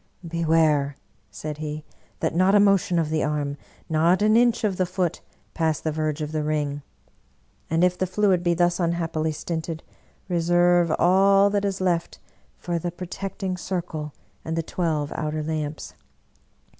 " Beware," said he, " that not a motion of the arm, not an inch of the foot, pass the verge of the ring ; and if the fluid be thus unhappily stinted, reserve all that is left for the protecting circle and the twelve outer lamps!